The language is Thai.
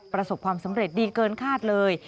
ประสบความสำเร็จดีเกินคาดเลย